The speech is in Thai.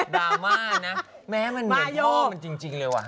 แม้มันเหมือนพ่อมันจริงเลยว่ะ